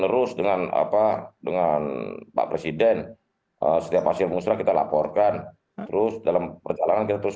terus dengan apa dengan pak presiden setiap hasil musrah kita laporkan terus dalam perjalanan kita terus